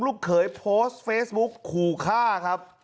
ลูกเขยโพสต์เฟซบุ๊กขู่ฆ่าครับ